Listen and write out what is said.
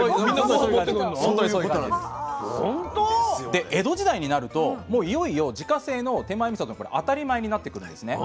で江戸時代になるともういよいよ自家製の手前みそが当たり前になってくるんですね。